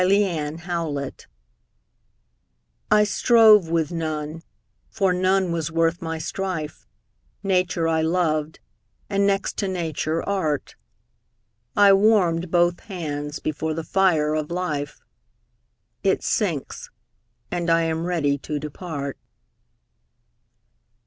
9 Autoplay I strove with none, for none was worth my strife: Nature I loved, and, next to Nature, Art: I warm'd both hands before the fire of Life; It sinks; and I am ready to depart.